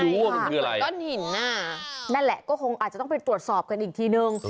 ก้อนหินนั่นแหละก็คงอาจจะต้องไปตรวจสอบกันอีกทีนึง